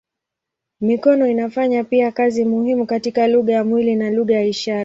Mikono inafanya pia kazi muhimu katika lugha ya mwili na lugha ya ishara.